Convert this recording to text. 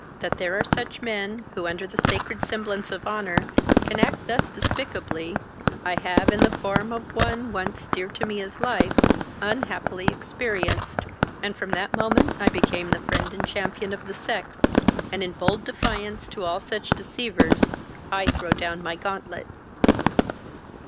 That there are such men, who, under the sacred semblance of honour, can act thus despicably, I have, in the form of one once dear to me as life, unhappily experienced, and from that moment I became the friend and champion of the sex, and in bold defiance to all such deceivers, I throw down my gauntlet."